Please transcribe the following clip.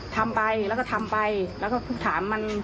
ทำไปแล้วถามมัน